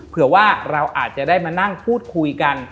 เผื่อว่าเราอาจจะได้มานั่งพูดคุยกัน